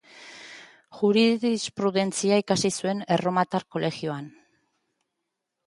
Jurisprudentzia ikasi zuen Erromatar Kolegioan.